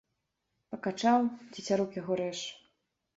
Пакачаў, цецярук яго рэж.